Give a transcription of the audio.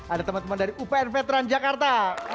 ada teman teman dari upn veteran jakarta